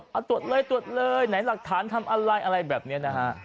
ยังตรวจตรวจเลยไรหละสถานทำอะไรอะไรแบบเนี้ยนะฮะ